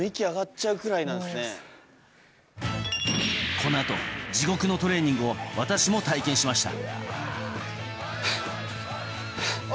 このあと地獄のトレーニングを私も体験しました。